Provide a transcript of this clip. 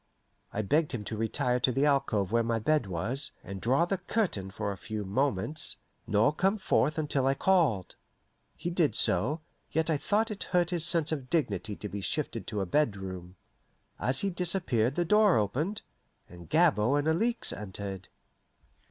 I begged him to retire to the alcove where my bed was, and draw the curtain for a few moments, nor come forth until I called. He did so, yet I thought it hurt his sense of dignity to be shifted to a bedroom. As he disappeared the door opened, and Gabord and Alixe entered.